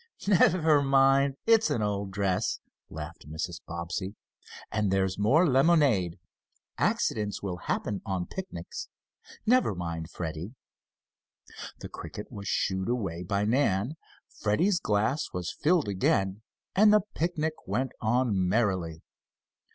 "Never mind it's an old dress," laughed Mrs. Bobbsey, "and there's more lemonade. Accidents will happen on picnics. Never mind, Freddie." The cricket was "shooed" away by Nan, Freddie's glass was filled again, and the picnic went on merrily.